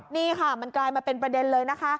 นี่ค่ะมันกลายมาเป็นประเด็นเลยนะคะ